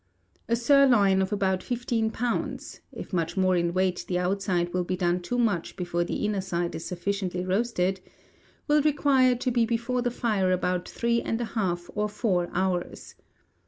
A sirloin of about fifteen pounds (if much more in weight the outside will be done too much before the inner side is sufficiently roasted), will require to be before the fire about three and a half or four hours.